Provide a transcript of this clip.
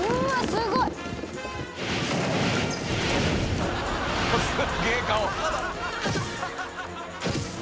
すごい」「すげえ顔」